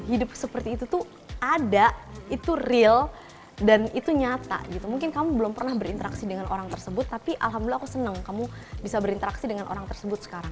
hidup seperti itu tuh ada itu real dan itu nyata gitu mungkin kamu belum pernah berinteraksi dengan orang tersebut tapi alhamdulillah aku senang kamu bisa berinteraksi dengan orang tersebut sekarang